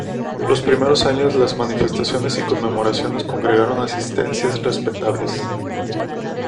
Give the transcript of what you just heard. Los primeros años las manifestaciones y conmemoraciones congregaron asistencias respetables.